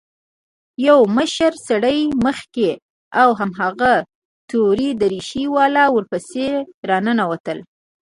يو مشر سړى مخکې او هماغه تورې دريشۍ والا ورپسې راننوتل.